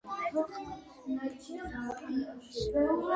ჰყავს მეუღლე და სამი ვაჟი.